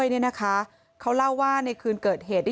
เนื่องจากนี้ไปก็คงจะต้องเข้มแข็งเป็นเสาหลักให้กับทุกคนในครอบครัว